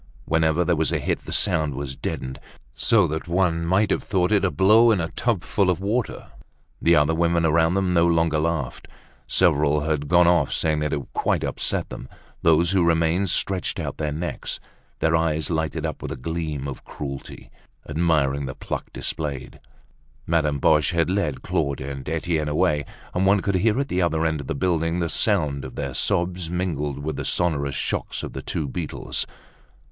Whenever there was a hit, the sound was deadened, so that one might have thought it a blow in a tub full of water. The other women around them no longer laughed. Several had gone off saying that it quite upset them; those who remained stretched out their necks, their eyes lighted up with a gleam of cruelty, admiring the pluck displayed. Madame Boche had led Claude and Etienne away, and one could hear at the other end of the building the sound of their sobs, mingled with the sonorous shocks of the two beetles.